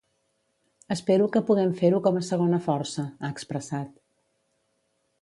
Espero que puguem fer-ho com a segona força, ha expressat.